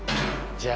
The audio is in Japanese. じゃあ！